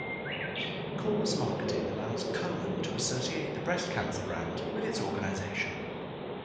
Cause marketing allows Komen to associate the breast cancer brand with its organization.